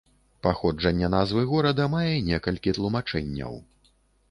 Паходжанне назвы горада мае некалькі тлумачэнняў.